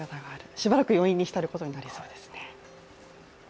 しばらく余韻に浸ることになりそうです。